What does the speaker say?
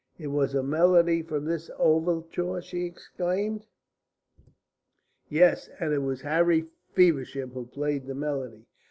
"It was a melody from this overture?" she exclaimed. "Yes, and it was Harry Feversham who played the melody.